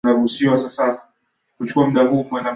Ingawa Shetani atanitesa